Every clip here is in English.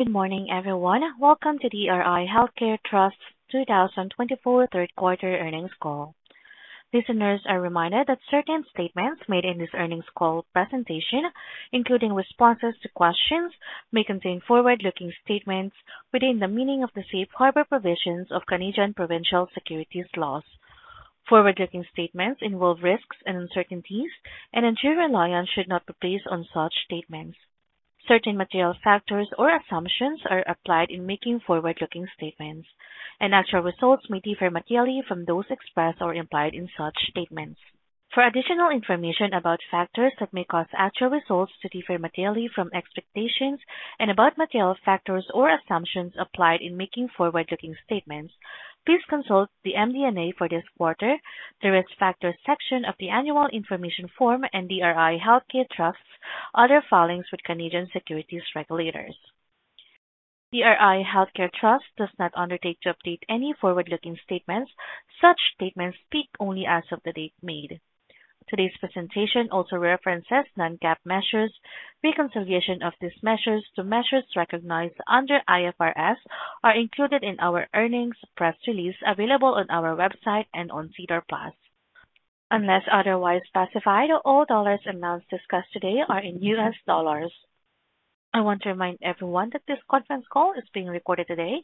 Good morning, everyone. Welcome to DRI Healthcare Trust's 2024 3rd Quarter Earnings Call. Listeners, a reminder that certain statements made in this earnings call presentation, including responses to questions, may contain forward-looking statements within the meaning of the safe harbor provisions of Canadian provincial securities laws. Forward-looking statements involve risks and uncertainties, and undue reliance should not be placed on such statements. Certain material factors or assumptions are applied in making forward-looking statements, and actual results may differ materially from those expressed or implied in such statements. For additional information about factors that may cause actual results to differ materially from expectations and about material factors or assumptions applied in making forward-looking statements, please consult the MD&A for this quarter, the risk factors section of the Annual Information Form, and DRI Healthcare Trust's other filings with Canadian securities regulators. DRI Healthcare Trust does not undertake to update any forward-looking statements. Such statements speak only as of the date made. Today's presentation also references non-GAAP measures. Reconciliation of these measures to measures recognized under IFRS is included in our earnings press release available on our website and on SEDAR+. Unless otherwise specified, all dollars and amounts discussed today are in U.S. dollars. I want to remind everyone that this conference call is being recorded today,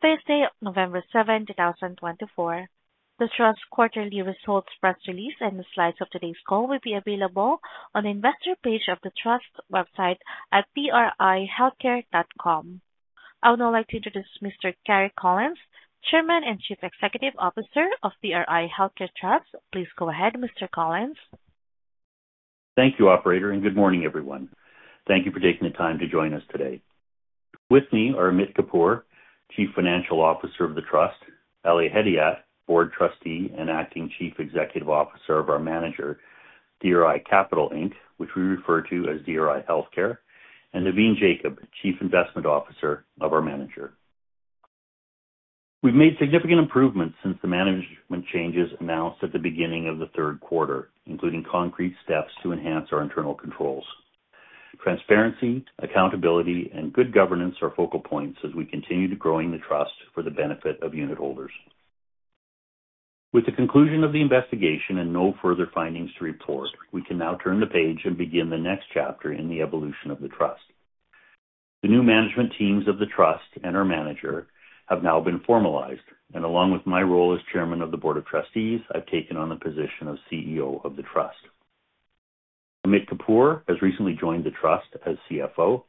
Thursday, November 7th, 2024. The Trust's quarterly results press release and the slides of today's call will be available on the investor page of the Trust's website at drihealthcare.com. I would now like to introduce Mr. Gary Collins, Chairman and Chief Executive Officer of DRI Healthcare Trust. Please go ahead, Mr. Collins. Thank you, Operator, and good morning, everyone. Thank you for taking the time to join us today. With me are Amit Kapur, Chief Financial Officer of the Trust; Ali Hedayat, Board Trustee and Acting Chief Executive Officer of our manager, DRI Capital Inc., which we refer to as DRI Healthcare; and Navin Jacob, Chief Investment Officer of our manager. We've made significant improvements since the management changes announced at the beginning of the third quarter, including concrete steps to enhance our internal controls. Transparency, accountability, and good governance are focal points as we continue to grow the trust for the benefit of unitholders. With the conclusion of the investigation and no further findings to report, we can now turn the page and begin the next chapter in the evolution of the Trust. The new management teams of the Trust and our manager have now been formalized, and along with my role as Chairman of the Board of Trustees, I've taken on the position of CEO of the Trust. Amit Kapur has recently joined the Trust as CFO.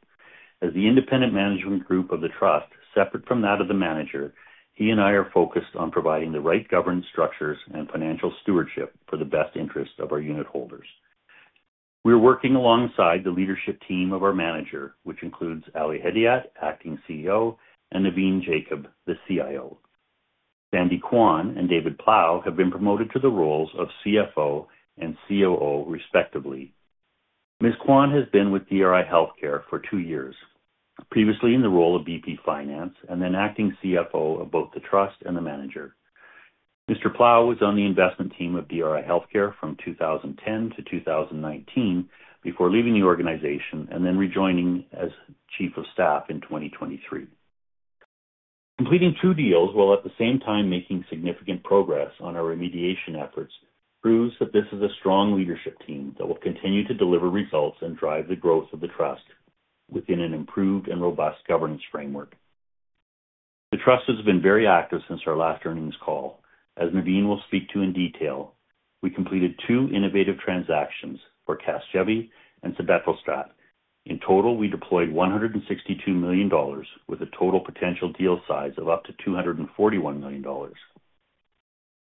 As the independent management group of the Trust, separate from that of the manager, he and I are focused on providing the right governance structures and financial stewardship for the best interests of our unitholders. We are working alongside the leadership team of our manager, which includes Ali Hedayat, Acting CEO, and Navin Jacob, the CIO. Sandy Kwan and David Powe have been promoted to the roles of CFO and COO, respectively. Ms. Kwan has been with DRI Healthcare for two years, previously in the role of VP Finance and then Acting CFO of both the Trust and the manager. Mr. Powe was on the investment team of DRI Healthcare from 2010 to 2019 before leaving the organization and then rejoining as Chief of Staff in 2023. Completing two deals while at the same time making significant progress on our remediation efforts proves that this is a strong leadership team that will continue to deliver results and drive the growth of the Trust within an improved and robust governance framework. The Trust has been very active since our last earnings call, as Navin will speak to in detail. We completed two innovative transactions for Casgevy and Sebetralstat. In total, we deployed $162 million, with a total potential deal size of up to $241 million.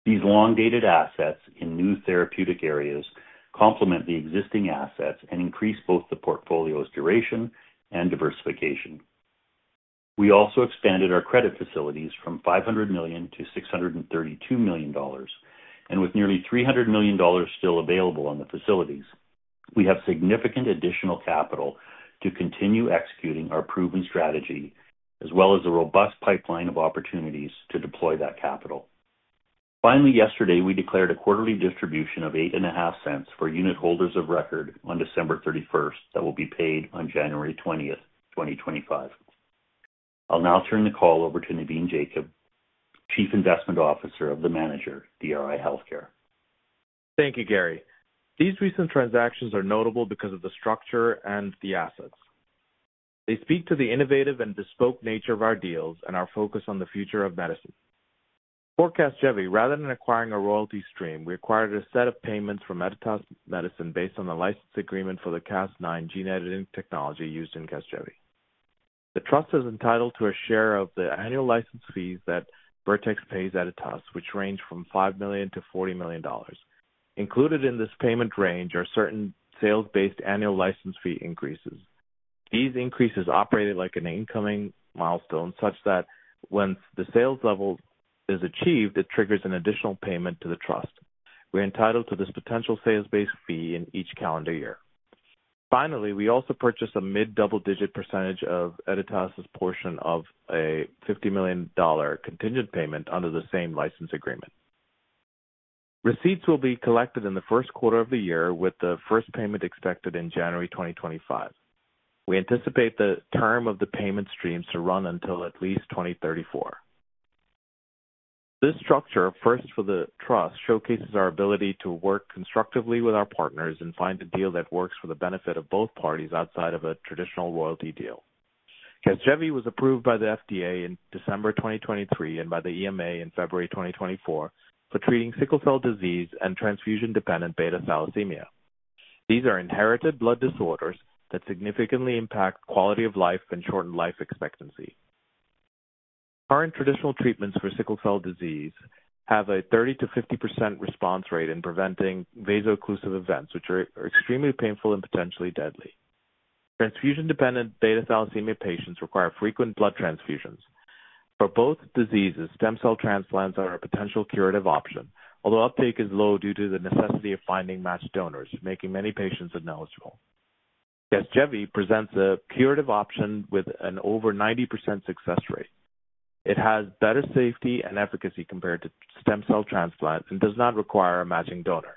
These long-dated assets in new therapeutic areas complement the existing assets and increase both the portfolio's duration and diversification. We also expanded our credit facilities from $500 million-$632 million, and with nearly $300 million still available on the facilities, we have significant additional capital to continue executing our proven strategy, as well as a robust pipeline of opportunities to deploy that capital. Finally, yesterday, we declared a quarterly distribution of $0.085 for unitholders of record on December 31st that will be paid on January 20th, 2025. I'll now turn the call over to Navin Jacob, Chief Investment Officer of the manager, DRI Healthcare. Thank you, Gary. These recent transactions are notable because of the structure and the assets. They speak to the innovative and bespoke nature of our deals and our focus on the future of medicine. For Casgevy, rather than acquiring a royalty stream, we acquired a set of payments from Editas Medicine based on the license agreement for the Cas9 gene editing technology used in Casgevy. The Trust is entitled to a share of the annual license fees that Vertex pays Editas, which range from $5 million-$40 million. Included in this payment range are certain sales-based annual license fee increases. These increases operate like an incoming milestone such that once the sales level is achieved, it triggers an additional payment to the Trust. We're entitled to this potential sales-based fee in each calendar year. Finally, we also purchased a mid-double-digit percentage of Editas' portion of a $50 million contingent payment under the same license agreement. Receipts will be collected in the 1st quarter of the year, with the first payment expected in January 2025. We anticipate the term of the payment streams to run until at least 2034. This structure, first for the Trust, showcases our ability to work constructively with our partners and find a deal that works for the benefit of both parties outside of a traditional royalty deal. Casgevy was approved by the FDA in December 2023 and by the EMA in February 2024 for treating sickle cell disease and transfusion-dependent beta thalassemia. These are inherited blood disorders that significantly impact quality of life and shorten life expectancy. Current traditional treatments for sickle cell disease have a 30%-50% response rate in preventing vaso-occlusive events, which are extremely painful and potentially deadly. Transfusion-dependent beta thalassemia patients require frequent blood transfusions. For both diseases, stem cell transplants are a potential curative option, although uptake is low due to the necessity of finding matched donors, making many patients unknowledgeable. Casgevy presents a curative option with an over 90% success rate. It has better safety and efficacy compared to stem cell transplants and does not require a matching donor.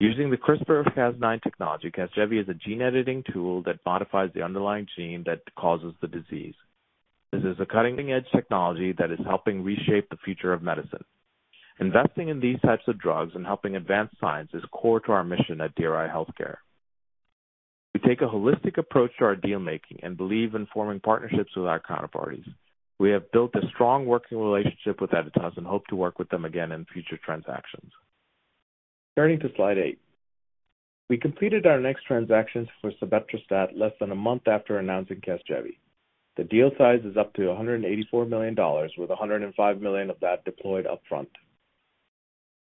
Using the CRISPR-Cas9 technology, Casgevy is a gene editing tool that modifies the underlying gene that causes the disease. This is a cutting-edge technology that is helping reshape the future of medicine. Investing in these types of drugs and helping advance science is core to our mission at DRI Healthcare. We take a holistic approach to our deal-making and believe in forming partnerships with our counterparties. We have built a strong working relationship with Editas and hope to work with them again in future transactions. Turning to slide 8, we completed our next transactions for Sebetralstat less than a month after announcing Casgevy. The deal size is up to $184 million, with $105 million of that deployed upfront.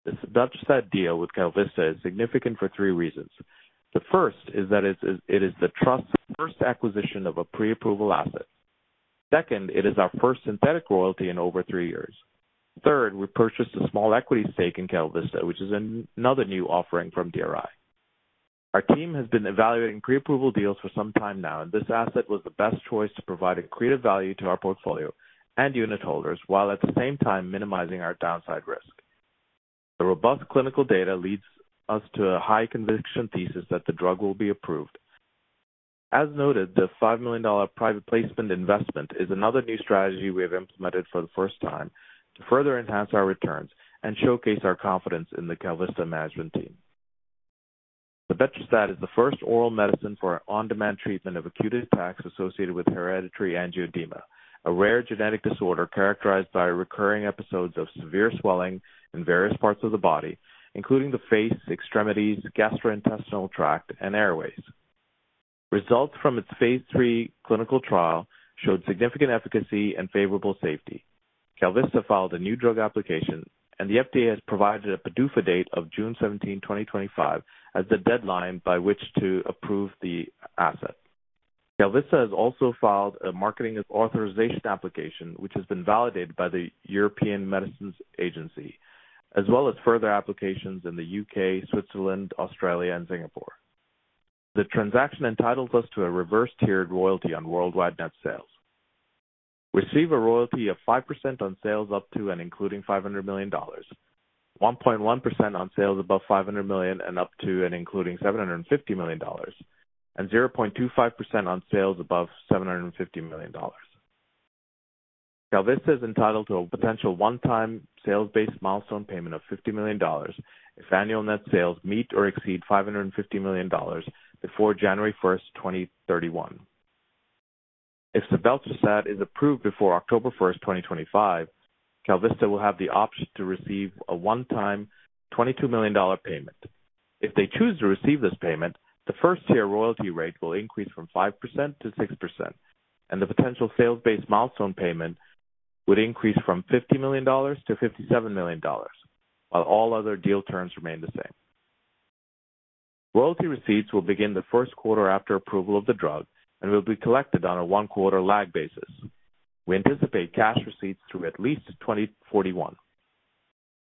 The Sebetralstat deal with KalVista is significant for three reasons. The first is that it is the Trust's first acquisition of a pre-approval asset. Second, it is our first synthetic royalty in over three years. Third, we purchased a small equity stake in KalVista, which is another new offering from DRI. Our team has been evaluating pre-approval deals for some time now, and this asset was the best choice to provide a creative value to our portfolio and unitholders while at the same time minimizing our downside risk. The robust clinical data leads us to a high-conviction thesis that the drug will be approved. As noted, the $5 million private placement investment is another new strategy we have implemented for the first time to further enhance our returns and showcase our confidence in the KalVista management team. Sebetralstat is the first oral medicine for on-demand treatment of acute attacks associated with hereditary angioedema, a rare genetic disorder characterized by recurring episodes of severe swelling in various parts of the body, including the face, extremities, gastrointestinal tract, and airways. Results from its phase III clinical trial showed significant efficacy and favorable safety. KalVista filed a New Drug Application, and the FDA has provided a PDUFA date of June 17th, 2025, as the deadline by which to approve the asset. KalVista has also filed a Marketing Authorization Application, which has been validated by the European Medicines Agency, as well as further applications in the U.K., Switzerland, Australia, and Singapore. The transaction entitles us to a reverse-tiered royalty on worldwide net sales. We receive a royalty of 5% on sales up to and including $500 million, 1.1% on sales above $500 million and up to and including $750 million, and 0.25% on sales above $750 million. KalVista is entitled to a potential one-time sales-based milestone payment of $50 million if annual net sales meet or exceed $550 million before January 1st, 2031. If Sebetralstat is approved before October 1st, 2025, KalVista will have the option to receive a one-time $22 million payment. If they choose to receive this payment, the first-tier royalty rate will increase from 5%-6%, and the potential sales-based milestone payment would increase from $50 million-$57 million, while all other deal terms remain the same. Royalty receipts will begin the 1st quarter after approval of the drug and will be collected on a one-quarter lag basis. We anticipate cash receipts through at least 2041.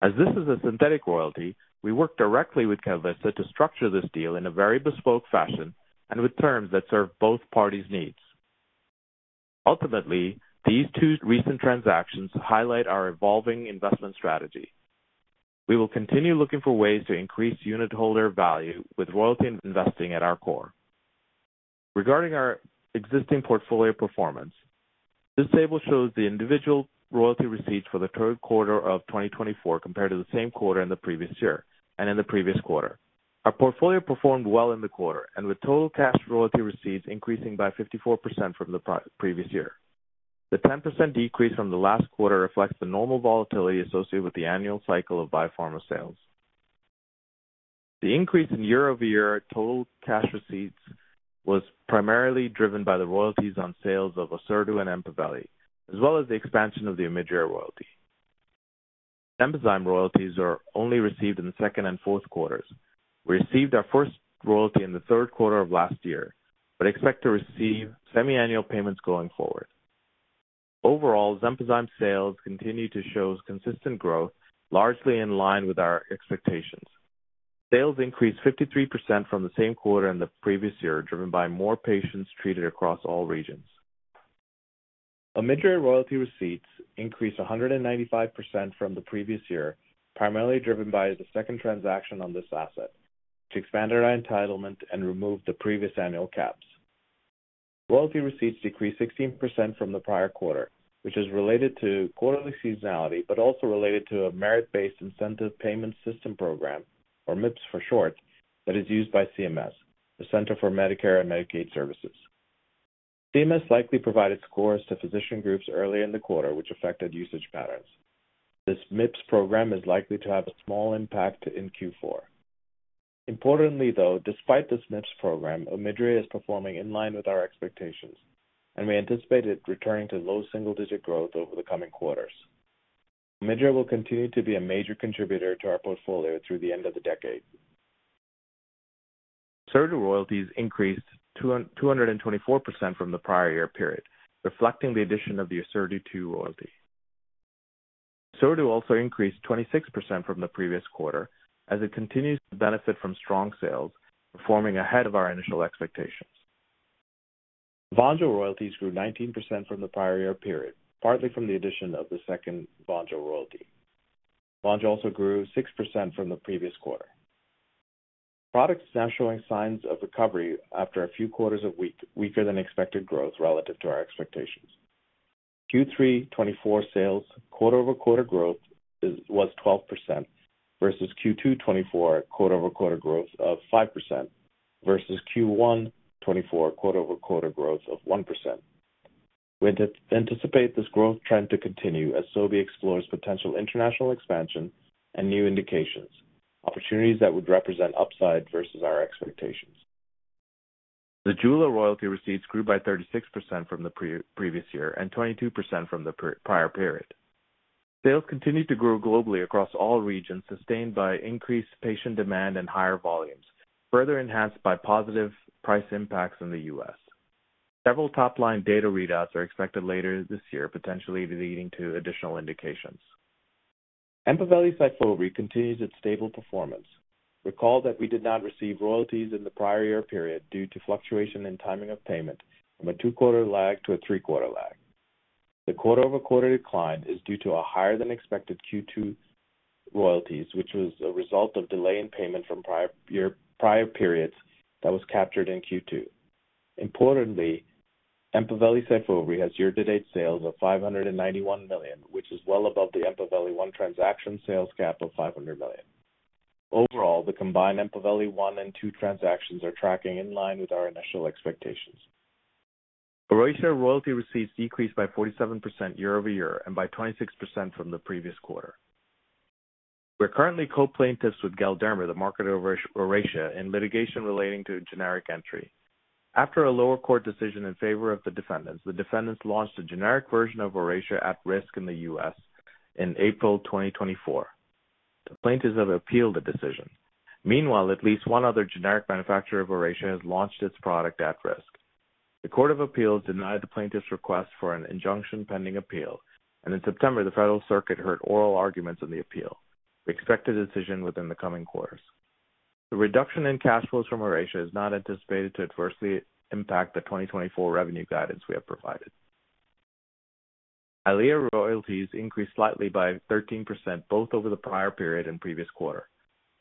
As this is a synthetic royalty, we work directly with KalVista to structure this deal in a very bespoke fashion and with terms that serve both parties' needs. Ultimately, these two recent transactions highlight our evolving investment strategy. We will continue looking for ways to increase unitholder value with royalty investing at our core. Regarding our existing portfolio performance, this table shows the individual royalty receipts for the 3rd quarter of 2024 compared to the same quarter in the previous year and in the previous quarter. Our portfolio performed well in the quarter, and with total cash royalty receipts increasing by 54% from the previous year. The 10% decrease from the last quarter reflects the normal volatility associated with the annual cycle of biopharma sales. The increase in year-over-year total cash receipts was primarily driven by the royalties on sales of Orserdu and Empaveli, as well as the expansion of the Omidria royalty. Xenpozyme royalties are only received in the 2nd quarter and 4th quarters. We received our first royalty in the 3rd quarter of last year, but expect to receive semi-annual payments going forward. Overall, Xenpozyme sales continue to show consistent growth, largely in line with our expectations. Sales increased 53% from the same quarter in the previous year, driven by more patients treated across all regions. Omidria royalty receipts increased 195% from the previous year, primarily driven by the second transaction on this asset, which expanded our entitlement and removed the previous annual caps. Royalty receipts decreased 16% from the prior quarter, which is related to quarterly seasonality but also related to a Merit-based Incentive Payment System program, or MIPS for short, that is used by CMS, the Centers for Medicare and Medicaid Services. CMS likely provided scores to physician groups earlier in the quarter, which affected usage patterns. This MIPS program is likely to have a small impact in Q4. Importantly, though, despite this MIPS program, Omidria is performing in line with our expectations, and we anticipate it returning to low single-digit growth over the coming quarters. Omidria will continue to be a major contributor to our portfolio through the end of the decade. Orserdu royalties increased 224% from the prior year period, reflecting the addition of the Orserdu II royalty. Orserdu also increased 26% from the previous quarter, as it continues to benefit from strong sales, performing ahead of our initial expectations. Vonjo royalties grew 19% from the prior year period, partly from the addition of the second Vonjo royalty. Vonjo also grew 6% from the previous quarter. Spinraza now showing signs of recovery after a few quarters of weaker-than-expected growth relative to our expectations. Q3 2024 sales quarter-over-quarter growth was 12% versus Q2 2024 quarter-over-quarter growth of 5% versus Q1 2024 quarter-over-quarter growth of 1%. We anticipate this growth trend to continue as Sobi explores potential international expansion and new indications, opportunities that would represent upside versus our expectations. The Zejula royalty receipts grew by 36% from the previous year and 22% from the prior period. Sales continue to grow globally across all regions, sustained by increased patient demand and higher volumes, further enhanced by positive price impacts in the U.S. Several top-line data readouts are expected later this year, potentially leading to additional indications. Empaveli royalties continues its stable performance. Recall that we did not receive royalties in the prior year period due to fluctuation in timing of payment from a two-quarter lag to a three-quarter lag. The quarter-over-quarter decline is due to a higher-than-expected Q2 royalties, which was a result of delay in payment from prior year periods that was captured in Q2. Importantly, Empaveli and Syfovre has year-to-date sales of $591 million, which is well above the Empaveli I transaction sales cap of $500 million. Overall, the combined Empaveli I and II transactions are tracking in line with our initial expectations. Oracea royalty receipts decreased by 47% year-over-year and by 26% from the previous quarter. We are currently co-plaintiffs with Galderma, the marketer of Oracea, in litigation relating to a generic entry. After a lower court decision in favor of the defendants, the defendants launched a generic version of Oracea at risk in the U.S. in April 2024. The plaintiffs have appealed the decision. Meanwhile, at least one other generic manufacturer of Oracea has launched its product at risk. The Court of Appeals denied the plaintiffs' request for an injunction pending appeal, and in September, the Federal Circuit heard oral arguments in the appeal. We expect a decision within the coming quarters. The reduction in cash flows from Oracea is not anticipated to adversely impact the 2024 revenue guidance we have provided. Eylea royalties increased slightly by 13% both over the prior period and previous quarter.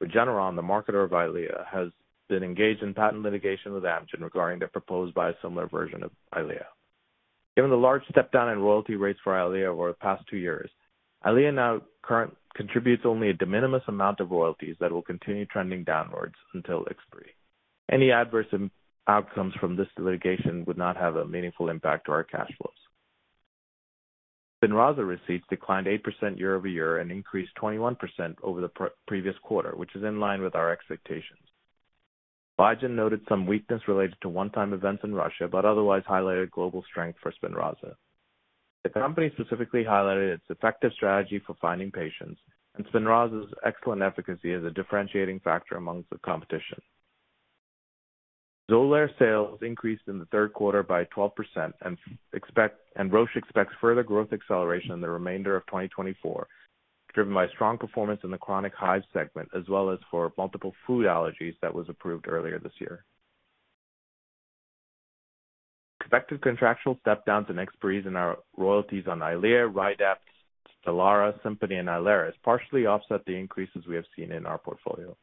With Regeneron, the marketer of Eylea has been engaged in patent litigation with Amgen regarding their proposed biosimilar version of Eylea. Given the large step-down in royalty rates for Eylea over the past two years, Eylea now contributes only a de minimis amount of royalties that will continue trending downwards until expiry. Any adverse outcomes from this litigation would not have a meaningful impact on our cash flows. Spinraza receipts declined 8% year-over-year and increased 21% over the previous quarter, which is in line with our expectations. Biogen noted some weakness related to one-time events in Russia but otherwise highlighted global strength for Spinraza. The company specifically highlighted its effective strategy for finding patients, and Spinraza's excellent efficacy is a differentiating factor among the competition. Xolair sales increased in the 3rd quarter by 12%, and Roche expects further growth acceleration in the remainder of 2024, driven by strong performance in the chronic hives segment, as well as for multiple food allergies that were approved earlier this year. Expected contractual step-downs and expiries in our royalties on Eylea, Rydapt, Stelara, Simponi, and Ilaris partially offset the increases we have seen in our portfolio.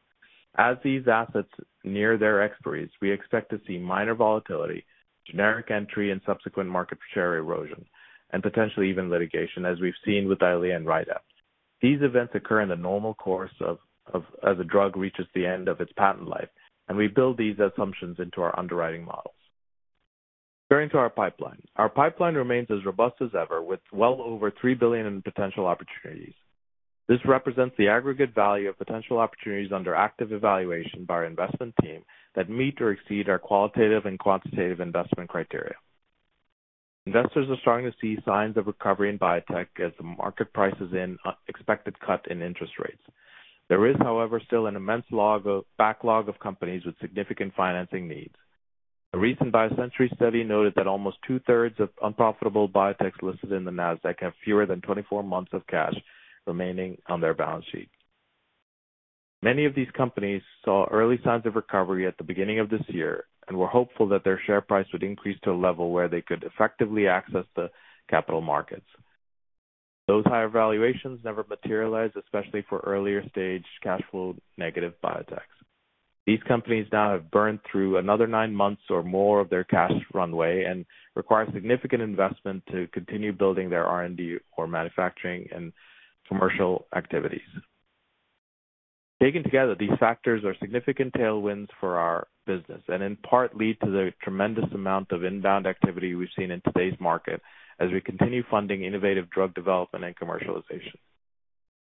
As these assets near their expiries, we expect to see minor volatility, generic entry and subsequent market share erosion, and potentially even litigation, as we've seen with Eylea and Rydapt. These events occur in the normal course as a drug reaches the end of its patent life, and we build these assumptions into our underwriting models. Turning to our pipeline, our pipeline remains as robust as ever, with well over $3 billion in potential opportunities. This represents the aggregate value of potential opportunities under active evaluation by our investment team that meet or exceed our qualitative and quantitative investment criteria. Investors are starting to see signs of recovery in biotech as the market prices in expected cut in interest rates. There is, however, still an immense backlog of companies with significant financing needs. A recent biosimilar study noted that almost two-thirds of unprofitable biotechs listed in the Nasdaq have fewer than 24 months of cash remaining on their balance sheet. Many of these companies saw early signs of recovery at the beginning of this year and were hopeful that their share price would increase to a level where they could effectively access the capital markets. Those higher valuations never materialized, especially for earlier-stage cash-flow negative biotechs. These companies now have burned through another nine months or more of their cash runway and require significant investment to continue building their R&D or manufacturing and commercial activities. Taken together, these factors are significant tailwinds for our business and in part lead to the tremendous amount of inbound activity we've seen in today's market as we continue funding innovative drug development and commercialization.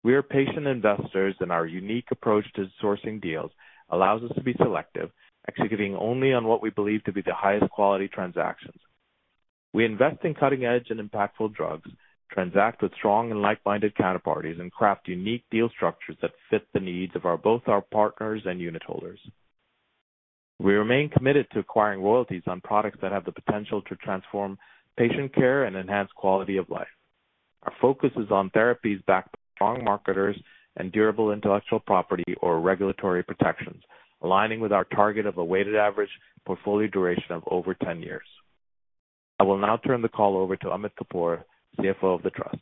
We are patient investors, and our unique approach to sourcing deals allows us to be selective, executing only on what we believe to be the highest quality transactions. We invest in cutting-edge and impactful drugs, transact with strong and like-minded counterparties, and craft unique deal structures that fit the needs of both our partners and unitholders. We remain committed to acquiring royalties on products that have the potential to transform patient care and enhance quality of life. Our focus is on therapies backed by strong marketers and durable intellectual property or regulatory protections, aligning with our target of a weighted average portfolio duration of over 10 years. I will now turn the call over to Amit Kapur, CFO of the Trust.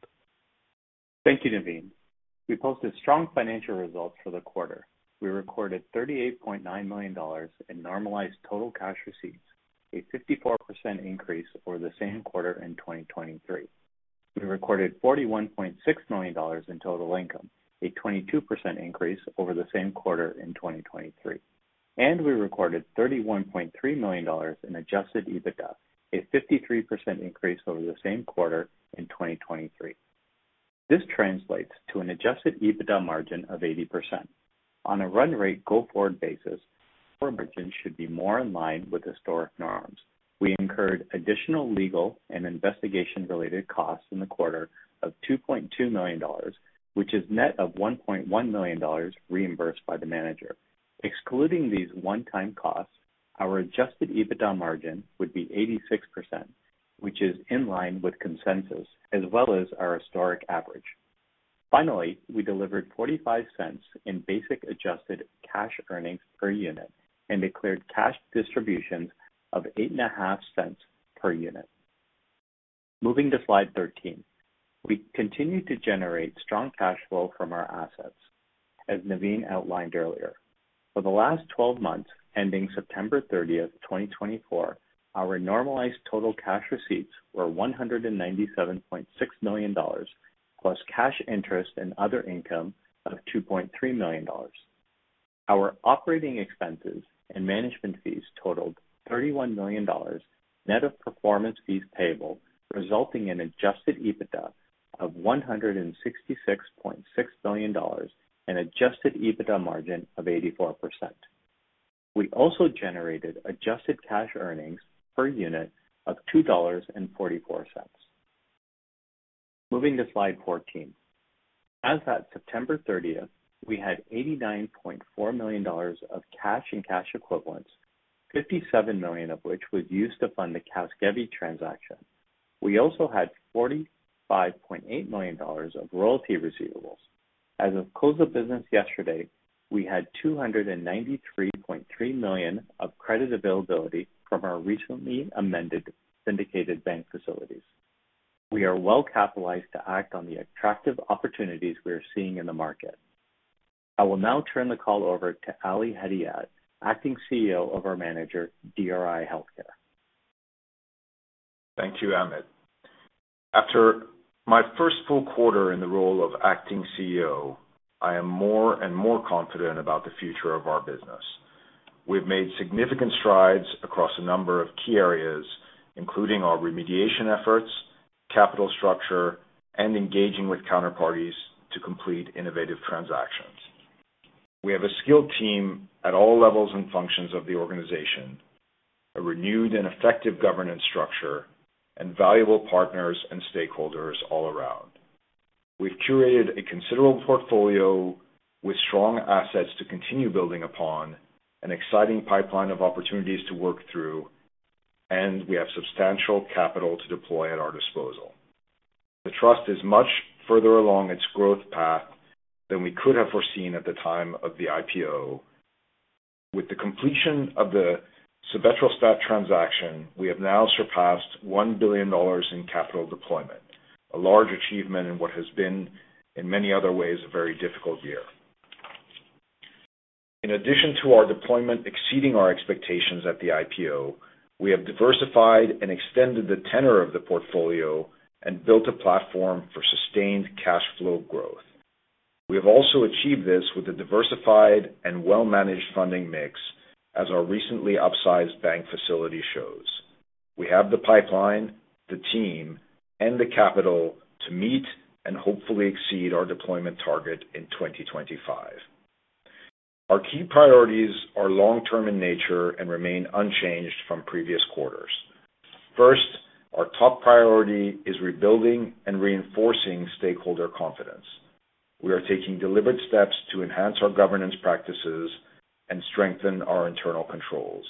Thank you, Navin. We posted strong financial results for the quarter. We recorded $38.9 million in normalized total cash receipts, a 54% increase over the same quarter in 2023. We recorded $41.6 million in total income, a 22% increase over the same quarter in 2023. And we recorded $31.3 million in adjusted EBITDA, a 53% increase over the same quarter in 2023. This translates to an adjusted EBITDA margin of 80%. On a run rate go-forward basis, our margins should be more in line with historic norms. We incurred additional legal and investigation-related costs in the quarter of $2.2 million, which is net of $1.1 million reimbursed by the manager. Excluding these one-time costs, our Adjusted EBITDA margin would be 86%, which is in line with consensus as well as our historic average. Finally, we delivered $0.45 in basic adjusted cash earnings per unit and declared cash distributions of $0.085 per unit. Moving to slide 13, we continue to generate strong cash flow from our assets, as Navin outlined earlier. For the last 12 months, ending September 30, 2024, our normalized total cash receipts were $197.6 million plus cash interest and other income of $2.3 million. Our operating expenses and management fees totaled $31 million, net of performance fees payable, resulting in Adjusted EBITDA of $166.6 million and Adjusted EBITDA margin of 84%. We also generated adjusted cash earnings per unit of $2.44. Moving to slide 14. As at September 30th, we had $89.4 million of cash and cash equivalents, $57 million of which was used to fund the Casgevy transaction. We also had $45.8 million of royalty receivables. As of close of business yesterday, we had $293.3 million of credit availability from our recently amended syndicated bank facilities. We are well-capitalized to act on the attractive opportunities we are seeing in the market. I will now turn the call over to Ali Hedayat, Acting CEO of our manager, DRI Healthcare. Thank you, Amit. After my first full quarter in the role of Acting CEO, I am more and more confident about the future of our business. We've made significant strides across a number of key areas, including our remediation efforts, capital structure, and engaging with counterparties to complete innovative transactions. We have a skilled team at all levels and functions of the organization, a renewed and effective governance structure, and valuable partners and stakeholders all around. We've curated a considerable portfolio with strong assets to continue building upon, an exciting pipeline of opportunities to work through, and we have substantial capital to deploy at our disposal. The Trust is much further along its growth path than we could have foreseen at the time of the IPO. With the completion of the Sebetralstat transaction, we have now surpassed $1 billion in capital deployment, a large achievement in what has been, in many other ways, a very difficult year. In addition to our deployment exceeding our expectations at the IPO, we have diversified and extended the tenor of the portfolio and built a platform for sustained cash flow growth. We have also achieved this with a diversified and well-managed funding mix, as our recently upsized bank facility shows. We have the pipeline, the team, and the capital to meet and hopefully exceed our deployment target in 2025. Our key priorities are long-term in nature and remain unchanged from previous quarters. First, our top priority is rebuilding and reinforcing stakeholder confidence. We are taking deliberate steps to enhance our governance practices and strengthen our internal controls.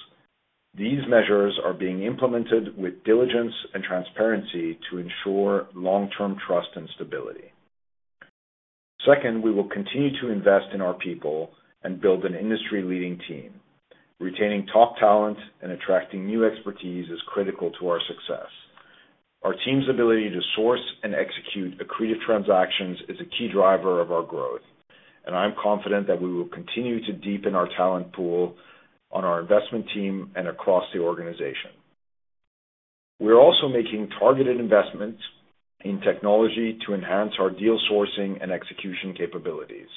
These measures are being implemented with diligence and transparency to ensure long-term trust and stability. Second, we will continue to invest in our people and build an industry-leading team. Retaining top talent and attracting new expertise is critical to our success. Our team's ability to source and execute accretive transactions is a key driver of our growth, and I'm confident that we will continue to deepen our talent pool on our investment team and across the organization. We are also making targeted investments in technology to enhance our deal sourcing and execution capabilities.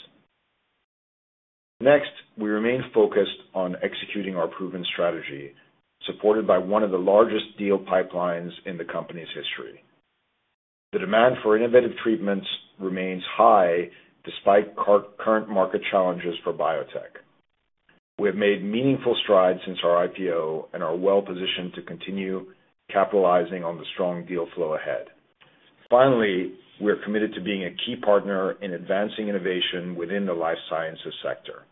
Next, we remain focused on executing our proven strategy, supported by one of the largest deal pipelines in the company's history. The demand for innovative treatments remains high despite current market challenges for biotech. We have made meaningful strides since our IPO and are well-positioned to continue capitalizing on the strong deal flow ahead. Finally, we are committed to being a key partner in advancing innovation within the life sciences sector.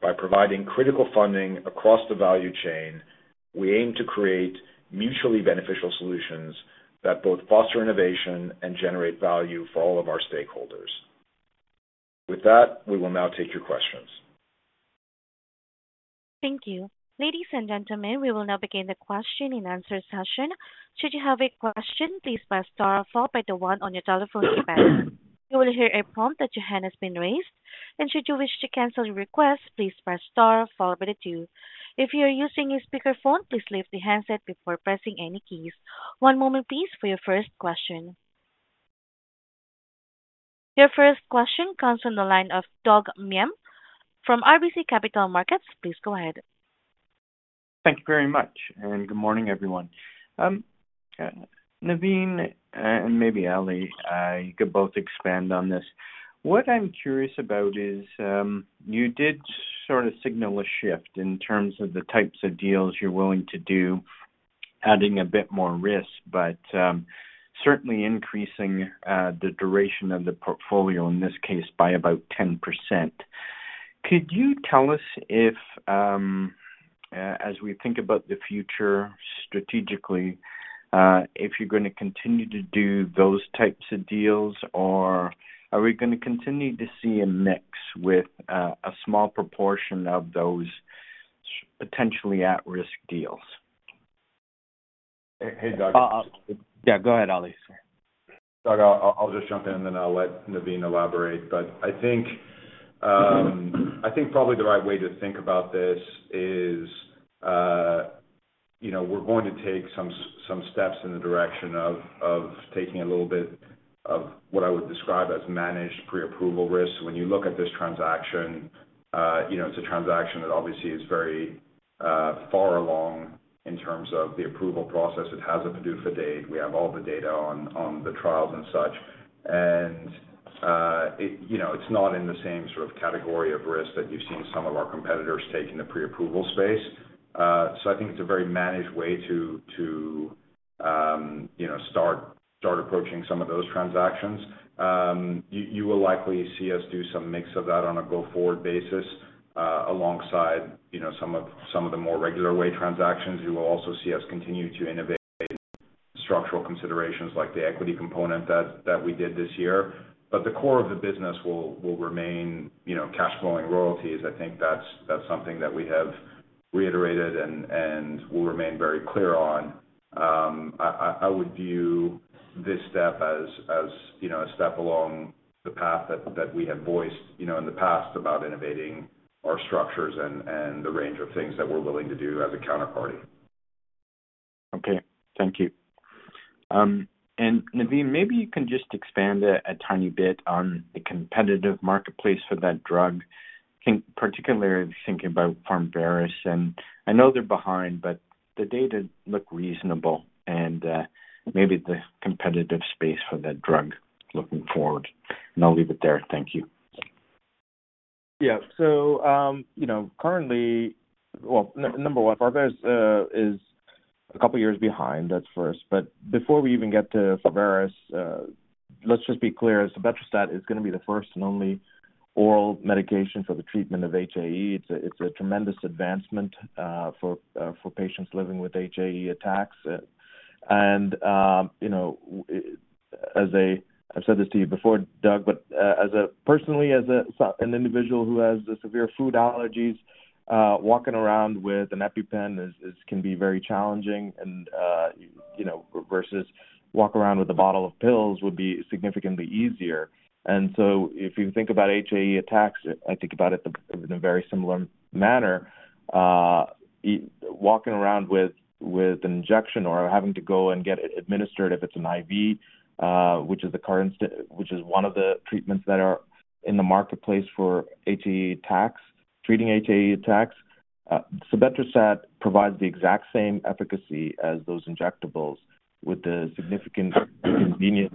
By providing critical funding across the value chain, we aim to create mutually beneficial solutions that both foster innovation and generate value for all of our stakeholders. With that, we will now take your questions. Thank you. Ladies and gentlemen, we will now begin the question and answer session. Should you have a question, please press star followed by the one on your telephone keypad. You will hear a prompt that your hand has been raised, and should you wish to cancel your request, please press star followed by the two. If you are using a speakerphone, please lift the handset before pressing any keys. One moment, please, for your first question. Your first question comes from the line of Doug Miehm. From RBC Capital Markets, please go ahead. Thank you very much, and good morning, everyone. Navin and maybe Ali, you could both expand on this, what I'm curious about is you did sort of signal a shift in terms of the types of deals you're willing to do, adding a bit more risk, but certainly increasing the duration of the portfolio, in this case, by about 10% could you tell us if, as we think about the future strategically, if you're going to continue to do those types of deals, or are we going to continue to see a mix with a small proportion of those potentially at-risk deals? Hey, Doug. Yeah, go ahead Ali. Doug, I'll just jump in, and then I'll let Navin elaborate. But I think probably the right way to think about this is we're going to take some steps in the direction of taking a little bit of what I would describe as managed pre-approval risk, when you look at this transaction, it's a transaction that obviously is very far along in terms of the approval process. It has a PDUFA date. We have all the data on the trials and such, and it's not in the same sort of category of risk that you've seen some of our competitors take in the pre-approval space. So I think it's a very managed way to start approaching some of those transactions. You will likely see us do some mix of that on a go-forward basis alongside some of the more regular way transactions. You will also see us continue to innovate structural considerations like the equity component that we did this year, but the core of the business will remain cash-flowing royalties. I think that's something that we have reiterated and will remain very clear on. I would view this step as a step along the path that we have voiced in the past about innovating our structures and the range of things that we're willing to do as a counterparty. Okay. Thank you. Navin, maybe you can just expand a tiny bit on the competitive marketplace for that drug, particularly thinking about Pharvaris. I know they're behind, but the data look reasonable, and maybe the competitive space for that drug looking forward. I'll leave it there. Thank you. Yeah. Currently, number one, Pharvaris is a couple of years behind. That's first. Before we even get to Pharvaris, let's just be clear. Sebetralstat is going to be the first and only oral medication for the treatment of HAE. It is a tremendous advancement for patients living with HAE attacks. As I've said this to you before, Doug, but personally, as an individual who has severe food allergies, walking around with an EpiPen can be very challenging versus walking around with a bottle of pills would be significantly easier. So if you think about HAE attacks, I think about it in a very similar manner. Walking around with an injection or having to go and get it administered, if it's an IV, which is one of the treatments that are in the marketplace for HAE attacks, treating HAE attacks, Sebetralstat that provides the exact same efficacy as those injectables with the significant convenience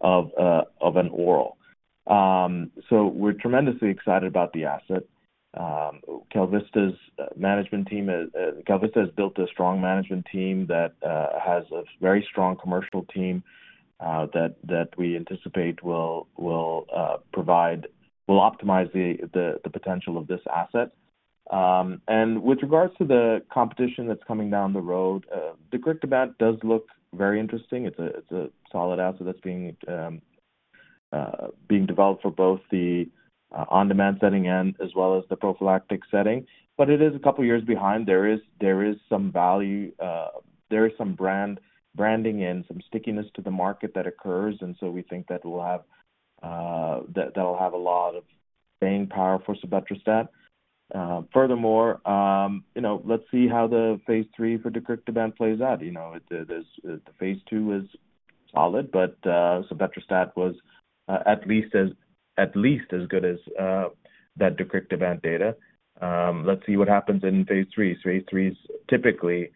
of an oral. We're tremendously excited about the asset. KalVista's management team has built a strong management team that has a very strong commercial team that we anticipate will optimize the potential of this asset. With regards to the competition that's coming down the road, the deucrictibant does look very interesting. It's a solid asset that's being developed for both the on-demand setting and as well as the prophylactic setting. But it is a couple of years behind. There is some value. There is some branding and some stickiness to the market that occurs. And so we think that will have a lot of staying power for Sebetralstat. Furthermore, let's see how the phase III for the deucrictibant plays out. The phase II is solid, but Sebetralstat was at least as good as that deucrictibant data. Let's see what happens in phase III. Phase III typically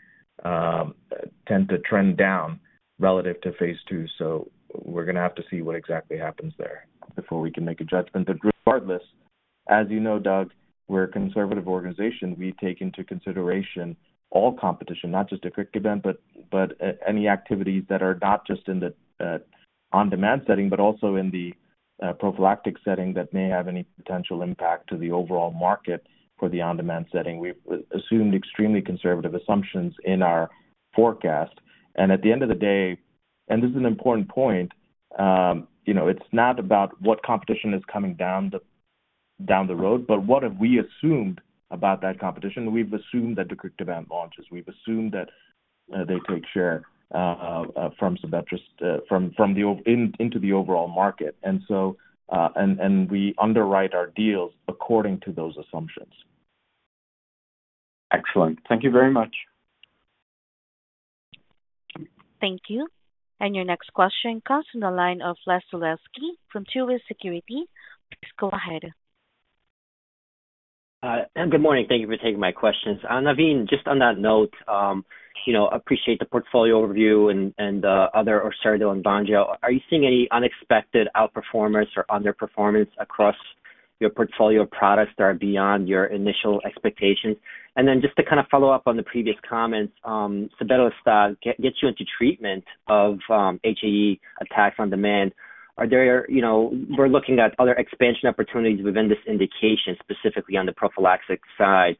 tend to trend down relative to phase II. So we're going to have to see what exactly happens there before we can make a judgment. But regardless, as you know, Doug, we're a conservative organization. We take into consideration all competition, not just the deucrictibant, but any activities that are not just in the on-demand setting, but also in the prophylactic setting that may have any potential impact to the overall market for the on-demand setting. We've assumed extremely conservative assumptions in our forecast. And at the end of the day, and this is an important point, it's not about what competition is coming down the road, but what have we assumed about that competition? We've assumed that the deucrictibant launches. We've assumed that they take share from Sebetralstat into the overall market. And we underwrite our deals according to those assumptions. Excellent. Thank you very much. Thank you. And your next question comes from the line of Les Sulewski from Truist Securities. Please go ahead. Good morning. Thank you for taking my questions. Navin, just on that note, I appreciate the portfolio overview and other Orserdu and Vonjo. Are you seeing any unexpected outperformance or underperformance across your portfolio of products that are beyond your initial expectations? And then just to kind of follow up on the previous comments, Sebetralstat that gets you into treatment of HAE attacks on demand. We're looking at other expansion opportunities within this indication, specifically on the prophylactic side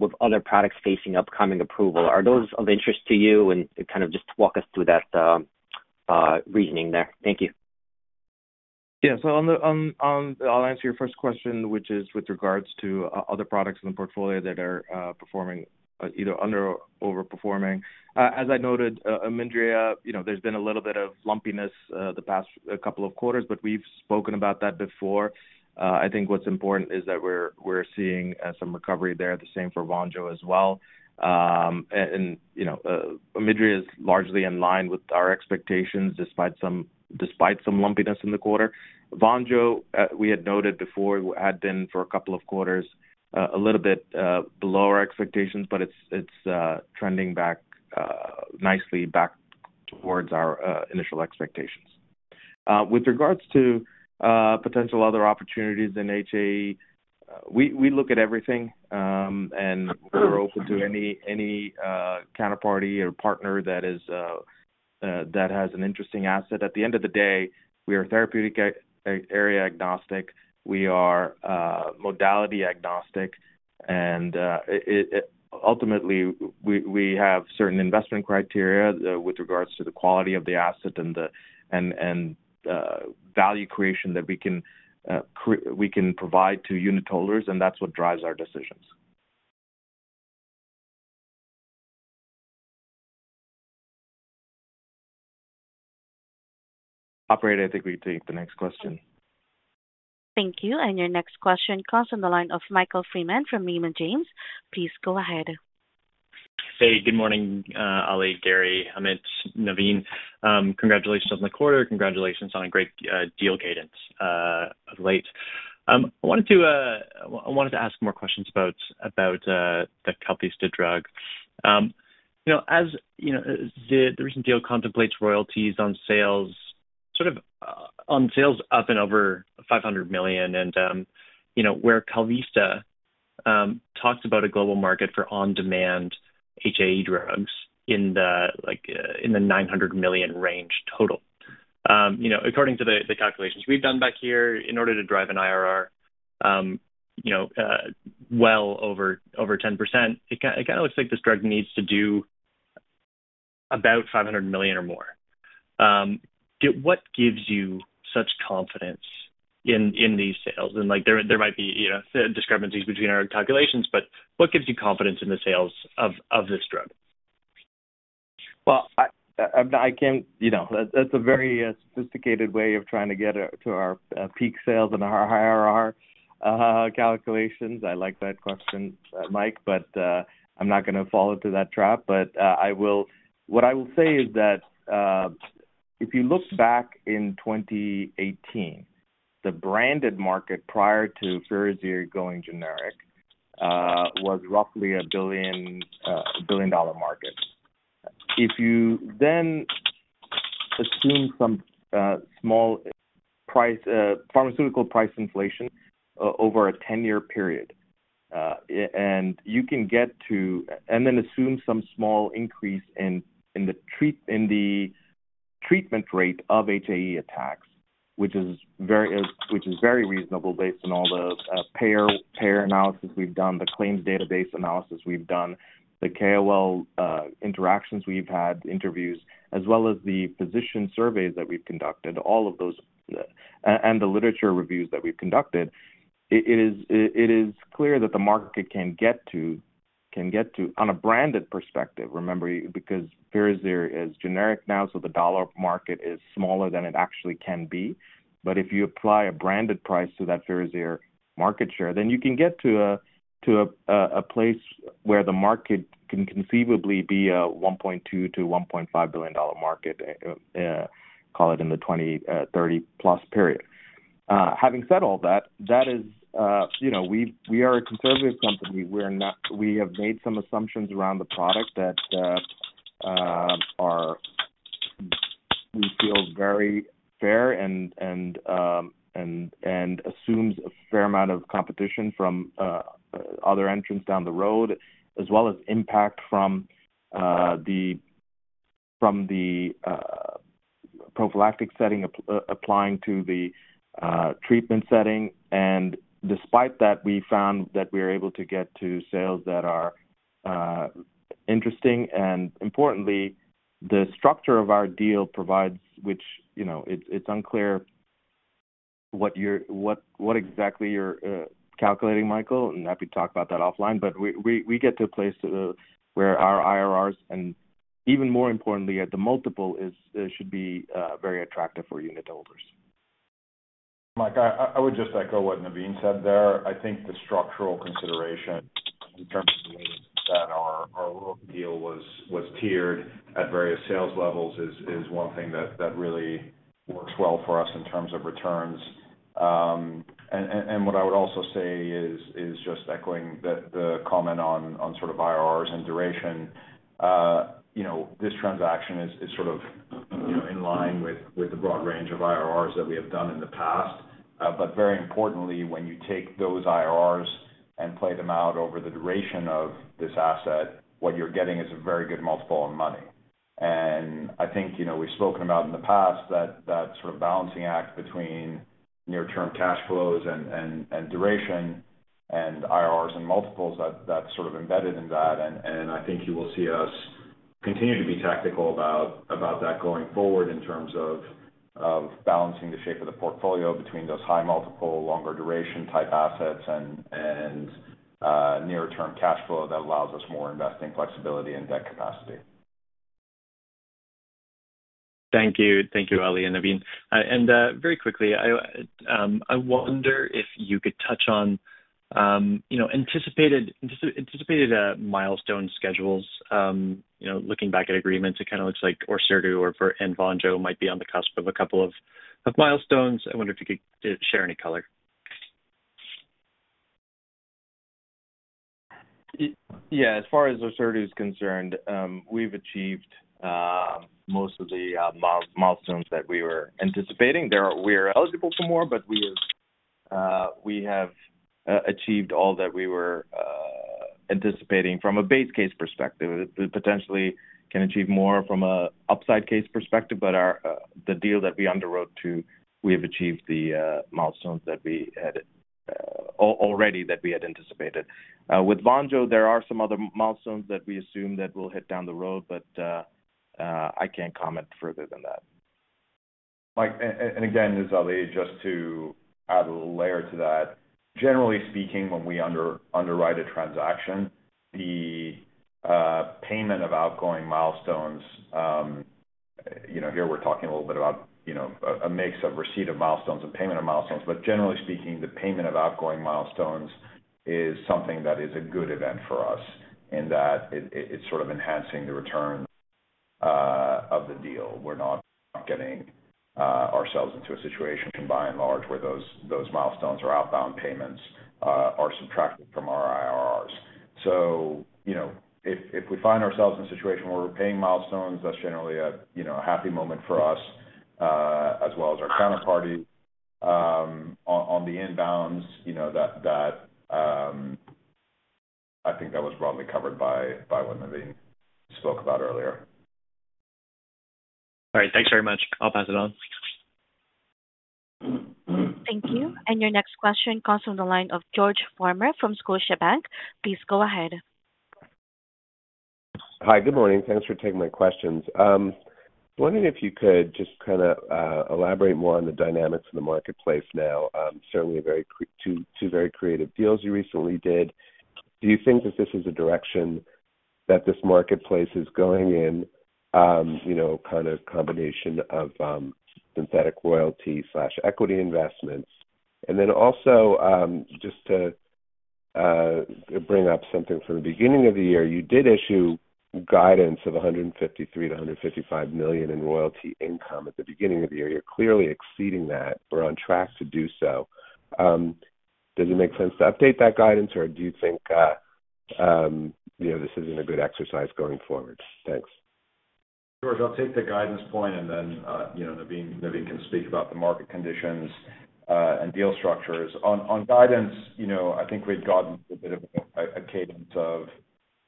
with other products facing upcoming approval. Are those of interest to you? And kind of just walk us through that reasoning there. Thank you. Yeah. So I'll answer your first question, which is with regards to other products in the portfolio that are performing either under or overperforming. As I noted, Omidria, there's been a little bit of lumpiness the past couple of quarters, but we've spoken about that before. I think what's important is that we're seeing some recovery there. The same for Vonjo as well. And Omidria is largely in line with our expectations despite some lumpiness in the quarter. Vonjo, we had noted before, had been for a couple of quarters a little bit below our expectations, but it's trending back nicely towards our initial expectations. With regards to potential other opportunities in HAE, we look at everything, and we're open to any counterparty or partner that has an interesting asset. At the end of the day, we are therapeutic area agnostic. We are modality agnostic. And ultimately, we have certain investment criteria with regards to the quality of the asset and value creation that we can provide to unitholders. And that's what drives our decisions. Operator, I think we take the next question. Thank you. And your next question comes from the line of Michael Freeman from Raymond James. Please go ahead. Hey, good morning, Ali, Gary, Amit, Navin. Congratulations on the quarter. Congratulations on a great deal cadence of late. I wanted to ask more questions about the KalVista drug. As the recent deal contemplates royalties on sales up and over $500 million, and where KalVista talks about a global market for on-demand HAE drugs in the $900 million range total. According to the calculations we've done back here, in order to drive an IRR well over 10%, it kind of looks like this drug needs to do about $500 million or more. What gives you such confidence in these sales? And there might be discrepancies between our calculations, but what gives you confidence in the sales of this drug? I can't. That's a very sophisticated way of trying to get to our peak sales and our IRR calculations. I like that question, Mike, but I'm not going to fall into that trap. But what I will say is that if you look back in 2018, the branded market prior to Firazyr going generic was roughly a $1 billion market. If you then assume some small pharmaceutical price inflation over a 10-year period, and you can get to—and then assume some small increase in the treatment rate of HAE attacks, which is very reasonable based on all the payer analysis we've done, the claims database analysis we've done, the KOL interactions we've had, interviews, as well as the physician surveys that we've conducted, all of those, and the literature reviews that we've conducted. It is clear that the market can get to, on a branded perspective, remember, because Firazyr is generic now, so the dollar market is smaller than it actually can be. But if you apply a branded price to that Firazyr market share, then you can get to a place where the market can conceivably be a $1.2 billion-$1.5 billion market, call it in the 2030 plus period. Having said all that, that is, we are a conservative company. We have made some assumptions around the product that we feel very fair and assumes a fair amount of competition from other entrants down the road, as well as impact from the prophylactic setting applying to the treatment setting. Despite that, we found that we are able to get to sales that are interesting. Importantly, the structure of our deal provides, which it's unclear what exactly you're calculating, Michael. I'm happy to talk about that offline. We get to a place where our IRRs, and even more importantly, the multiple should be very attractive for unitholders. Mike, I would just echo what Navin said there. I think the structural consideration in terms of the way that our deal was tiered at various sales levels is one thing that really works well for us in terms of returns. And what I would also say is just echoing the comment on sort of IRRs and duration. This transaction is sort of in line with the broad range of IRRs that we have done in the past. But very importantly, when you take those IRRs and play them out over the duration of this asset, what you're getting is a very good multiple on money. And I think we've spoken about in the past that sort of balancing act between near-term cash flows and duration and IRRs and multiples, that's sort of embedded in that. I think you will see us continue to be tactical about that going forward in terms of balancing the shape of the portfolio between those high multiple, longer duration type assets and near-term cash flow that allows us more investing flexibility and debt capacity. Thank you. Thank you, Ali and Navin. Very quickly, I wonder if you could touch on anticipated milestone schedules. Looking back at agreements, it kind of looks like Orserdu and Vonjo might be on the cusp of a couple of milestones. I wonder if you could share any color. Yeah. As far as Orserdu is concerned, we've achieved most of the milestones that we were anticipating. We are eligible for more, but we have achieved all that we were anticipating from a base case perspective. We potentially can achieve more from an upside case perspective, but the deal that we underwrote, we have achieved the milestones already that we had anticipated. With Vonjo, there are some other milestones that we assume that will hit down the road, but I can't comment further than that. Mike, and again, this is Ali just to add a layer to that. Generally speaking, when we underwrite a transaction, the payment of outgoing milestones, here we're talking a little bit about a mix of receipt of milestones and payment of milestones, but generally speaking, the payment of outgoing milestones is something that is a good event for us in that it's sort of enhancing the return of the deal. We're not getting ourselves into a situation by and large where those milestones or outbound payments are subtracted from our IRRs. So if we find ourselves in a situation where we're paying milestones, that's generally a happy moment for us as well as our counterparty. On the inbounds, I think that was broadly covered by what Navin spoke about earlier. All right. Thanks very much. I'll pass it on. Thank you. And your next question comes from the line of George Farmer from Scotiabank. Please go ahead. Hi, good morning. Thanks for taking my questions. Wondering if you could just kind of elaborate more on the dynamics of the marketplace now. Certainly, two very creative deals you recently did. Do you think that this is a direction that this marketplace is going in, kind of combination of synthetic royalty/equity investments? And then also just to bring up something from the beginning of the year, you did issue guidance of $153 million-$155 million in royalty income at the beginning of the year. You're clearly exceeding that. We're on track to do so. Does it make sense to update that guidance, or do you think this isn't a good exercise going forward? Thanks. George, I'll take the guidance point, and then Navin can speak about the market conditions and deal structures. On guidance, I think we've gotten a bit of a cadence of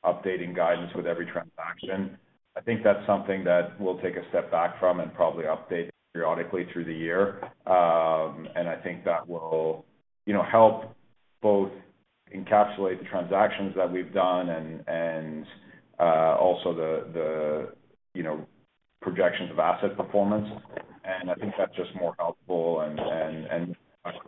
updating guidance with every transaction. I think that's something that we'll take a step back from and probably update periodically through the year. I think that will help both encapsulate the transactions that we've done and also the projections of asset performance. I think that's just more helpful.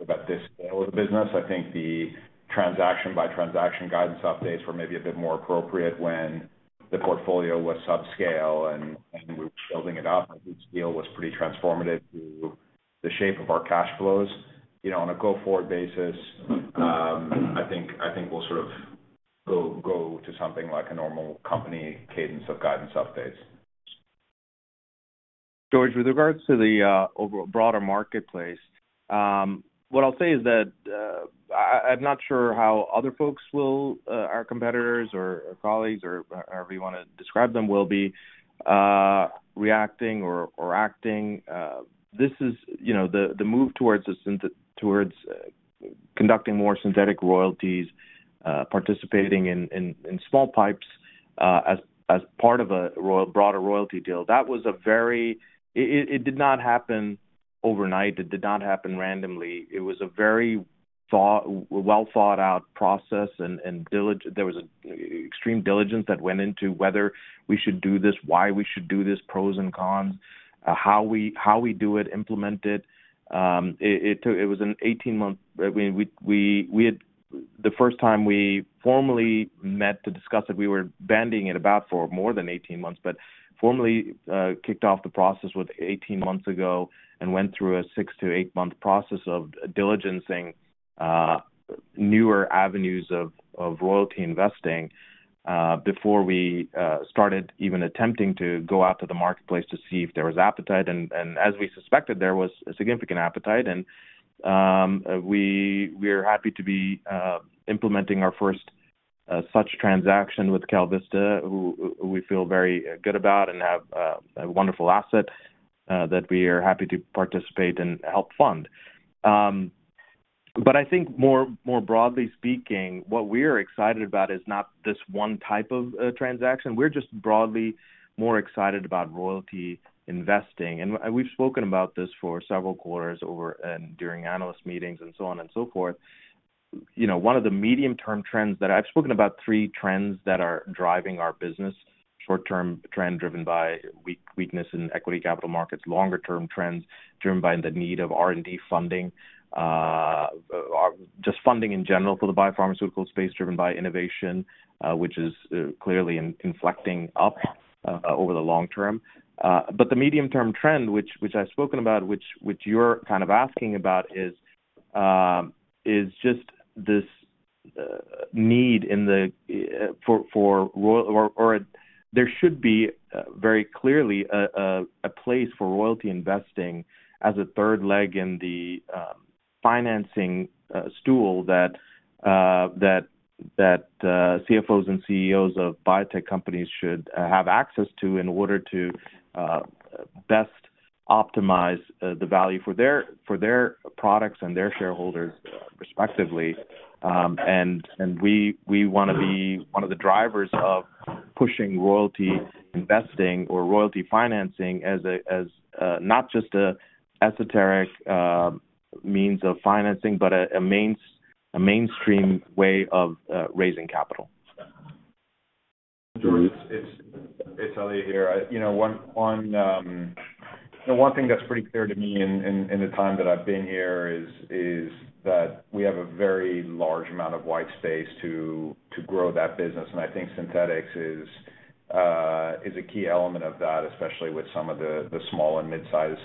At this scale of the business, I think the transaction-by-transaction guidance updates were maybe a bit more appropriate when the portfolio was subscale and we were building it up. This deal was pretty transformative to the shape of our cash flows. On a go-forward basis, I think we'll sort of go to something like a normal company cadence of guidance updates. George, with regards to the broader marketplace, what I'll say is that I'm not sure how other folks will, our competitors or colleagues or however you want to describe them, will be reacting or acting. This is the move towards conducting more synthetic royalties, participating in small pipes as part of a broader royalty deal. That was very. It did not happen overnight. It did not happen randomly. It was a very well-thought-out process. There was extreme diligence that went into whether we should do this, why we should do this, pros and cons, how we do it, implement it. It was an 18-month, I mean, the first time we formally met to discuss it, we were banding it about for more than 18 months, but formally kicked off the process 18 months ago and went through a six-to-eight-month process of diligencing newer avenues of royalty investing before we started even attempting to go out to the marketplace to see if there was appetite. And as we suspected, there was a significant appetite. And we are happy to be implementing our first such transaction with KalVista, who we feel very good about and have a wonderful asset that we are happy to participate and help fund. But I think more broadly speaking, what we are excited about is not this one type of transaction. We're just broadly more excited about royalty investing. And we've spoken about this for several quarters and during analyst meetings and so on and so forth. One of the medium-term trends that I've spoken about, three trends that are driving our business: short-term trend driven by weakness in equity capital markets, longer-term trends driven by the need of R&D funding, just funding in general for the biopharmaceutical space driven by innovation, which is clearly inflecting up over the long term. But the medium-term trend, which I've spoken about, which you're kind of asking about, is just this need for, or there should be very clearly a place for royalty investing as a third leg in the financing stool that CFOs and CEOs of biotech companies should have access to in order to best optimize the value for their products and their shareholders, respectively. And we want to be one of the drivers of pushing royalty investing or royalty financing as not just an esoteric means of financing, but a mainstream way of raising capital. George, it's Ali here. One thing that's pretty clear to me in the time that I've been here is that we have a very large amount of white space to grow that business. And I think synthetics is a key element of that, especially with some of the small and mid-sized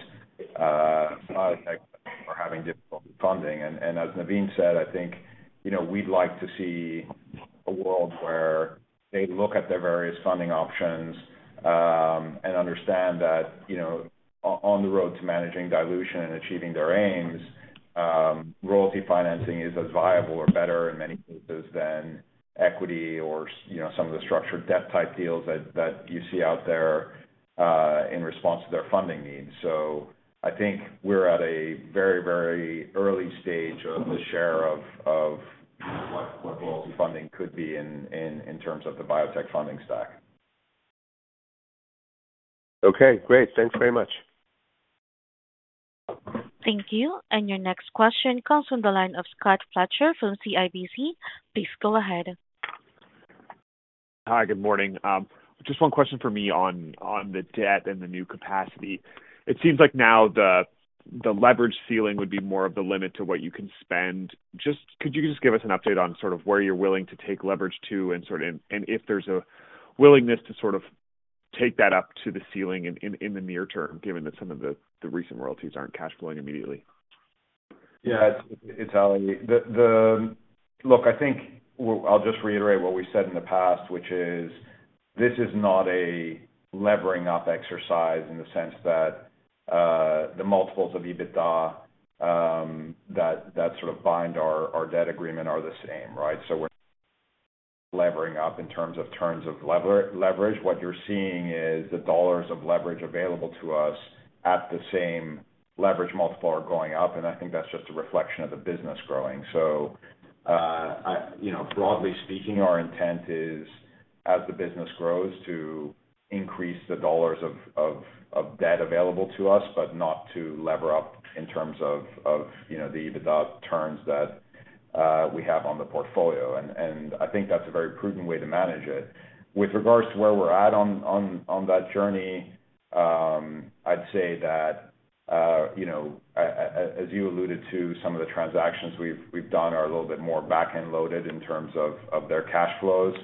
biotech that are having difficulty funding. As Navin said, I think we'd like to see a world where they look at their various funding options and understand that on the road to managing dilution and achieving their aims, royalty financing is as viable or better in many cases than equity or some of the structured debt type deals that you see out there in response to their funding needs. So I think we're at a very, very early stage of the share of what royalty funding could be in terms of the biotech funding stack. Okay. Great. Thanks very much. Thank you. And your next question comes from the line of Scott Fletcher from CIBC. Please go ahead. Hi, good morning. Just one question for me on the debt and the new capacity. It seems like now the leverage ceiling would be more of the limit to what you can spend. Could you just give us an update on sort of where you're willing to take leverage to and if there's a willingness to sort of take that up to the ceiling in the near term, given that some of the recent royalties aren't cash flowing immediately? Yeah. It's Ali. Look, I think I'll just reiterate what we've said in the past, which is this is not a levering-up exercise in the sense that the multiples of EBITDA that sort of bind our debt agreement are the same, right? So we're levering up in terms of terms of leverage. What you're seeing is the dollars of leverage available to us at the same leverage multiple are going up. And I think that's just a reflection of the business growing. So broadly speaking, our intent is, as the business grows, to increase the dollars of debt available to us, but not to lever up in terms of the EBITDA terms that we have on the portfolio. And I think that's a very prudent way to manage it. With regards to where we're at on that journey, I'd say that, as you alluded to, some of the transactions we've done are a little bit more back-end loaded in terms of their cash flows.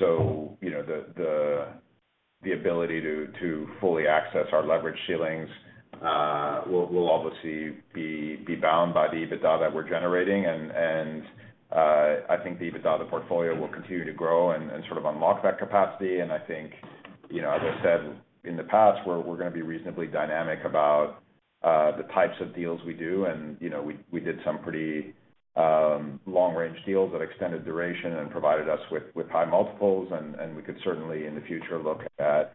So the ability to fully access our leverage ceilings will obviously be bound by the EBITDA that we're generating. And I think the EBITDA of the portfolio will continue to grow and sort of unlock that capacity. And I think, as I said in the past, we're going to be reasonably dynamic about the types of deals we do and we did some pretty long-range deals that extended duration and provided us with high multiples. And we could certainly, in the future, look at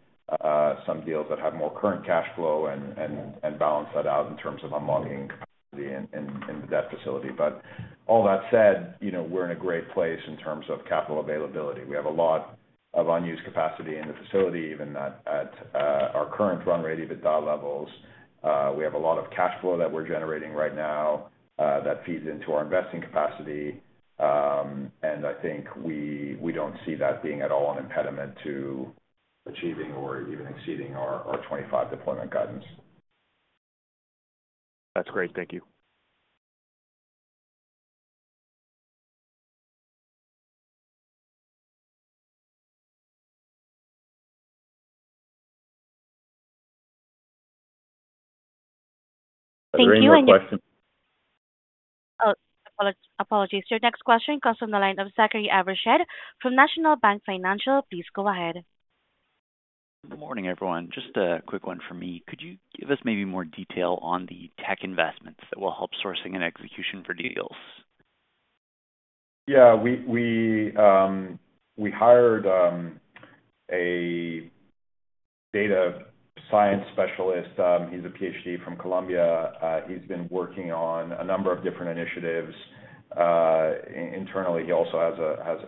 some deals that have more current cash flow and balance that out in terms of unlocking capacity in the debt facility. But all that said, we're in a great place in terms of capital availability. We have a lot of unused capacity in the facility, even at our current run rate EBITDA levels. We have a lot of cash flow that we're generating right now that feeds into our investing capacity. And I think we don't see that being at all an impediment to achieving or even exceeding our 25 deployment guidance. That's great. Thank you. Thank you. And your next question. Oh, apologies. Your next question comes from the line of Zachary Evershed from National Bank Financial. Please go ahead. Good morning, everyone. Just a quick one for me. Could you give us maybe more detail on the tech investments that will help sourcing and execution for deals? Yeah. We hired a data science specialist. He's a PhD from Columbia. He's been working on a number of different initiatives internally. He also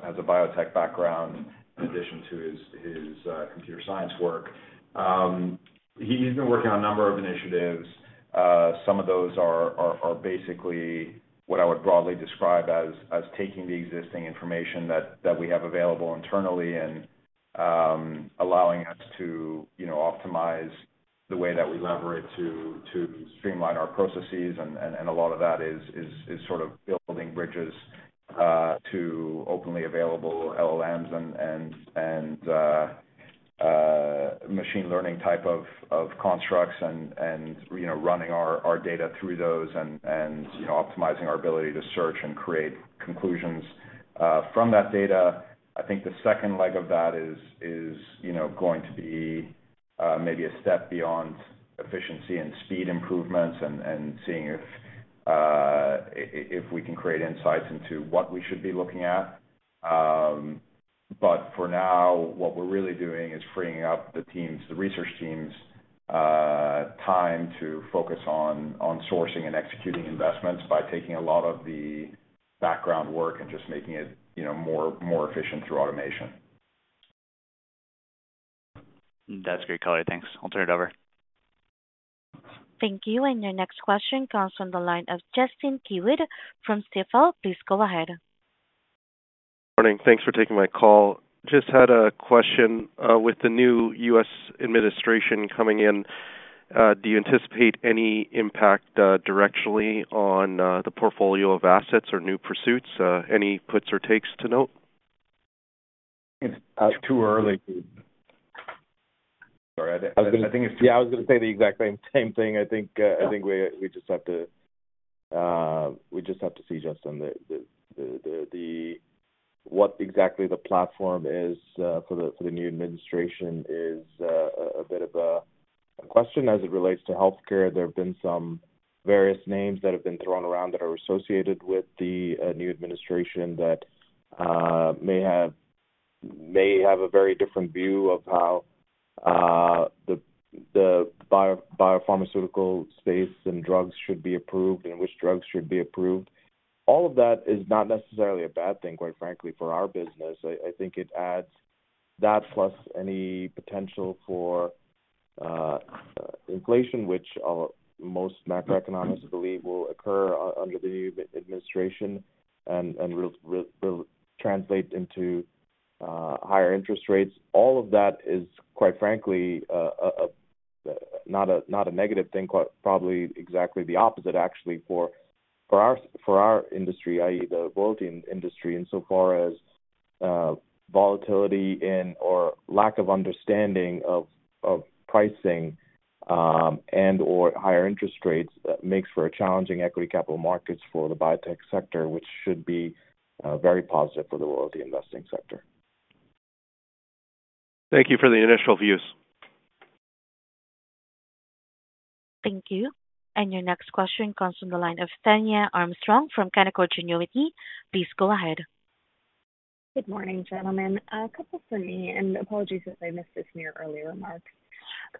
has a biotech background in addition to his computer science work. He's been working on a number of initiatives. Some of those are basically what I would broadly describe as taking the existing information that we have available internally and allowing us to optimize the way that we leverage to streamline our processes, and a lot of that is sort of building bridges to openly available LLMs and machine learning type of constructs and running our data through those and optimizing our ability to search and create conclusions from that data. I think the second leg of that is going to be maybe a step beyond efficiency and speed improvements and seeing if we can create insights into what we should be looking at. But for now, what we're really doing is freeing up the research team's time to focus on sourcing and executing investments by taking a lot of the background work and just making it more efficient through automation. That's great, Ali. Thanks. I'll turn it over. Thank you. And your next question comes from the line of Justin Keywood from Stifel. Please go ahead. Good morning. Thanks for taking my call. Just had a question. With the new U.S. administration coming in, do you anticipate any impact directionally on the portfolio of assets or new pursuits? Any puts or takes to note? It's too early. Sorry. I was going to say, yeah, I was going to say the exact same thing. I think we just have to, we just have to see, Justin, what exactly the platform is for the new administration is a bit of a question. As it relates to healthcare, there have been some various names that have been thrown around that are associated with the new administration that may have a very different view of how the biopharmaceutical space and drugs should be approved and which drugs should be approved. All of that is not necessarily a bad thing, quite frankly, for our business. I think it adds that plus any potential for inflation, which most macroeconomists believe will occur under the new administration and will translate into higher interest rates. All of that is, quite frankly, not a negative thing, probably exactly the opposite, actually, for our industry, i.e., the royalty industry. Insofar as volatility or lack of understanding of pricing and/or higher interest rates makes for a challenging equity capital markets for the biotech sector, which should be very positive for the royalty investing sector. Thank you for the initial views. Thank you. Your next question comes from the line of Tania Armstrong from Canaccord Genuity. Please go ahead. Good morning, gentlemen. A couple for me, and apologies if I missed this in your earlier remarks.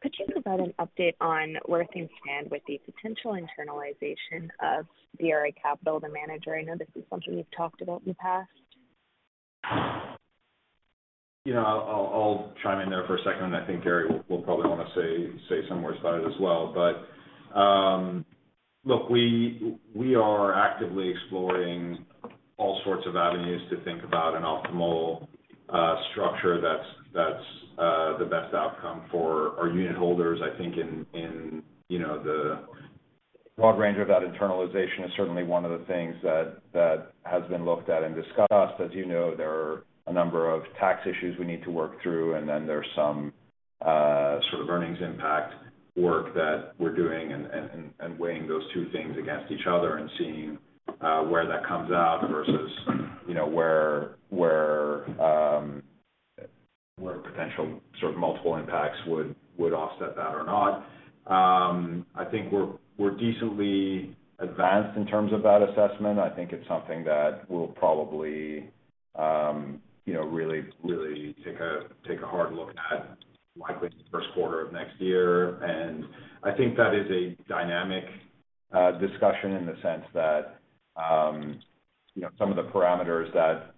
Could you provide an update on where things stand with the potential internalization of DRI Capital to manager? I know this is something we've talked about in the past. I'll chime in there for a second. I think Gary will probably want to say some words about it as well. But look, we are actively exploring all sorts of avenues to think about an optimal structure that's the best outcome for our unitholders. I think in the broad range of that internalization is certainly one of the things that has been looked at and discussed. As you know, there are a number of tax issues we need to work through, and then there's some sort of earnings impact work that we're doing and weighing those two things against each other and seeing where that comes out versus where potential sort of multiple impacts would offset that or not. I think we're decently advanced in terms of that assessment. I think it's something that we'll probably really, really take a hard look at likely in the 1st quarter of next year, and I think that is a dynamic discussion in the sense that some of the parameters that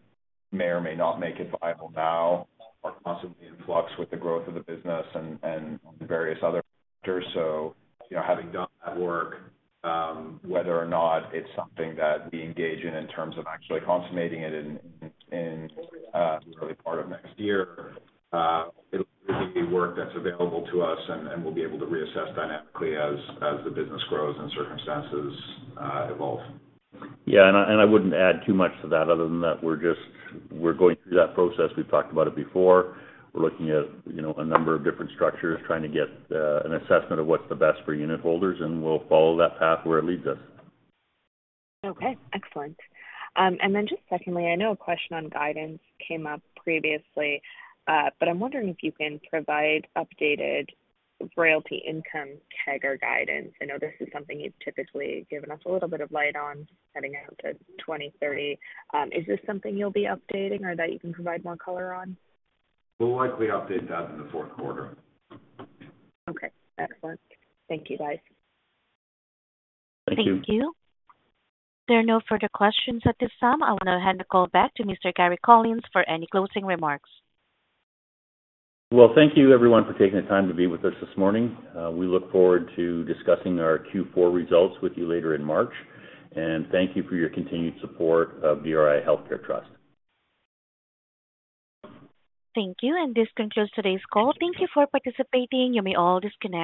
may or may not make it viable now are constantly in flux with the growth of the business and various other factors. So having done that work, whether or not it's something that we engage in in terms of actually consummating it in the early part of next year, it'll be work that's available to us, and we'll be able to reassess dynamically as the business grows and circumstances evolve. Yeah. And I wouldn't add too much to that other than that we're going through that process. We've talked about it before. We're looking at a number of different structures, trying to get an assessment of what's the best for unitholders, and we'll follow that path where it leads us. Okay. Excellent. And then just secondly, I know a question on guidance came up previously, but I'm wondering if you can provide updated royalty income target guidance. I know this is something you've typically given us a little bit of light on heading out to 2030. Is this something you'll be updating or that you can provide more color on? We'll likely update that in the 4th quarter. Okay. Excellent. Thank you, guys. Thank you. Thank you. There are no further questions at this time. I'll now hand the call back to Mr. Gary Collins for any closing remarks. Well, thank you, everyone, for taking the time to be with us this morning. We look forward to discussing our Q4 results with you later in March, and thank you for your continued support of DRI Healthcare Trust. Thank you, and this concludes today's call. Thank you for participating. You may all disconnect.